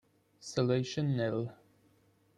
Salvation Nell